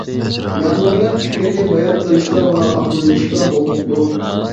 مەمۇرلار پىكرىنى بايان قىلىشقا ۋە ئاقلىنىشقا ھوقۇقلۇق.